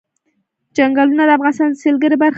چنګلونه د افغانستان د سیلګرۍ برخه ده.